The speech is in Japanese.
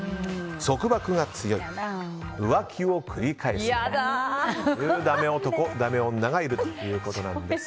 束縛が強い浮気を繰り返すというダメ男ダメ男、ダメ女がいるということです。